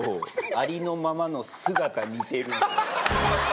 ありのままの姿煮てるのよ。